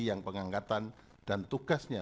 yang pengangkatan dan tugasnya